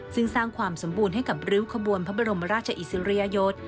ซึ่งสร้างความสมบูรณ์ให้กับริ้วขบวนพระบรมราชอิสริยยศ